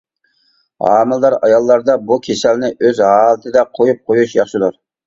ھامىلىدار ئاياللاردا بۇ كېسەلنى ئۆز ھالىتىدە قويۇپ قويۇش ياخشىدۇر.